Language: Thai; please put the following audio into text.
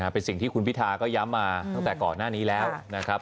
เป็นสิ่งที่คุณพิธาก็ย้ำมาตั้งแต่ก่อนหน้านี้แล้วนะครับ